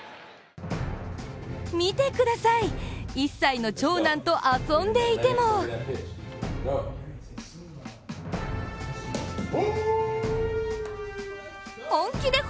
見てください、１歳の長男と遊んでいてもがいいです。